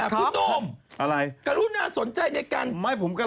การุน่าสนใจในการ